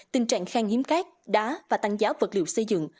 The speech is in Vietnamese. tình trạng khang hiếm cát đá và tăng giá vật liệu xây dựng